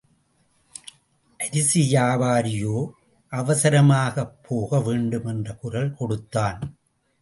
அரிசி வியாபாரியோ அவசரமாகப் போக வேண்டும் என்று குரல் கொடுத்தான்.